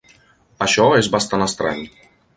Això és bastant estrany.